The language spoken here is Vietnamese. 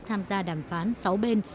tham gia đàm phán sáu bên